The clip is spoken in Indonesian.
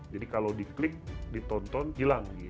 jadi kalau di klik ditonton hilang